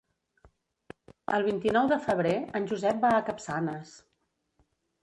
El vint-i-nou de febrer en Josep va a Capçanes.